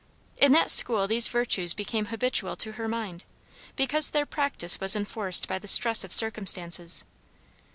In that school these virtues became habitual to her mind; because their practice was enforced by the stress of circumstances.